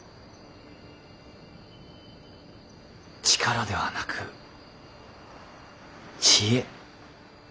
力ではなく知恵。